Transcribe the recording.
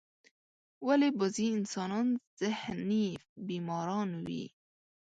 ولی بازی انسانان ذهنی بیماران وی ؟